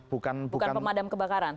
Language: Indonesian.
bukan pemadam kebakaran